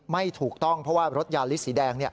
ไม่ถูกต้องเพราะว่ารถยาลิสสีแดง